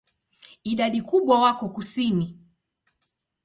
Idadi kubwa wako kusini.